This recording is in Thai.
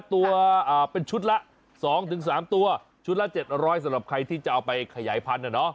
ตัวเป็นชุดละ๒๓ตัวชุดละ๗๐๐สำหรับใครที่จะเอาไปขยายพันธุ์